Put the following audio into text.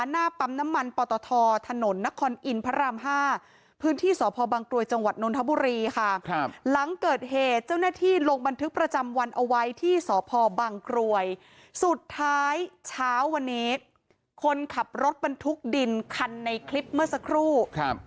หน้าปั๊มน้ำมันปตทถนนนครอินทร์พระราม๕พื้นที่สพบังกรวยจังหวัดนนทบุรีค่ะ